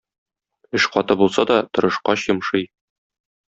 Эш каты булса да, тырышкач йомшый.